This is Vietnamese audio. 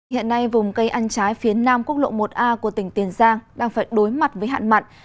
hiện nay vùng cây ăn trái phía nam quốc lộ một a của tỉnh tiền giang đang phải đối mặt với hạn mặn